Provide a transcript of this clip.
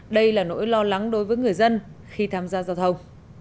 đây là nỗi lo lắng đối với người dân khi tham gia giao thông